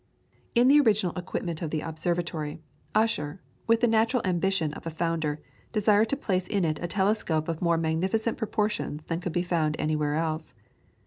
In the original equipment of the observatory, Ussher, with the natural ambition of a founder, desired to place in it a telescope of more magnificent proportions than could be found anywhere else.